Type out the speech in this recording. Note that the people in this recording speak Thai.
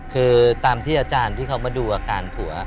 คือตามที่อาจารย์ที่เขามาดูอาการผัว